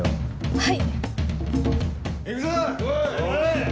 はい。